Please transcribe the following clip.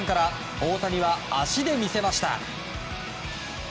大谷は足で見せました。